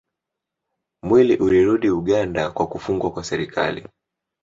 Mwili ulirudi Uganda kwa kufungwa kwa serikali